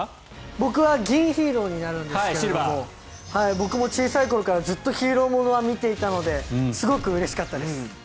僕は銀ヒーローになるんですが僕も小さい頃からずっとヒーロー物は見ていたのですごくうれしかったです。